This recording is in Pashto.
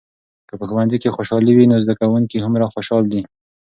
که په ښوونځي کې خوشالي وي، نو زده کوونکي هومره خوشحال دي.